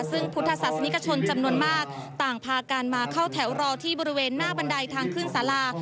ซึ่งพุทธศาสนิกชนจำนวนมากต่างพากันมาเข้าแถวรอที่บริเวณหน้าบันไดทางขึ้นสารา